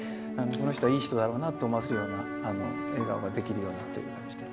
この人はいい人だろうなと思わせる笑顔ができるようにという感じで。